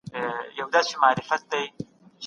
د ژبې حفاظت وکړئ.